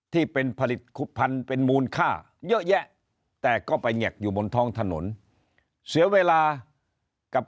ที่เป็นผลิตภัณฑ์เป็นมูลค่าเยอะแยะแต่ก็ไปแงกอยู่บนท้องถนนเสียเวลากับ